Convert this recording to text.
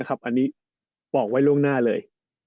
อันนี้บอกไว้ล่วงหน้าเลย